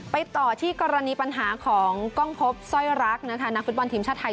ไปต่อที่กรณีปัญหาของกล้องพบสร้อยรักนะคะนักฟุตบอลทีมชาติไทย